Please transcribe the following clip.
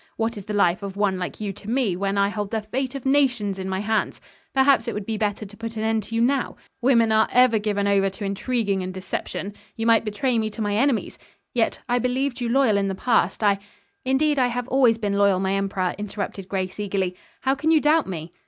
What is the life of one like you to me, when I hold the fate of nations in my hands? Perhaps it would be better to put an end to you now. Women are ever given over to intriguing and deception. You might betray me to my enemies. Yet, I believed you loyal in the past. I " "Indeed I have always been loyal, my emperor," interrupted Grace eagerly. "How can you doubt me?"